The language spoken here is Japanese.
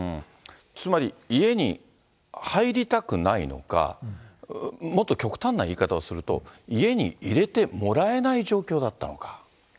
つまり、家に入りたくないのか、もっと極端な言い方をすると、家に入れてもらえない状況だったのか。